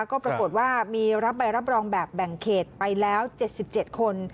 ก็ปรากฏว่ามีรับใบรับรองแบบแบ่งเขตไปแล้ว๗๗คน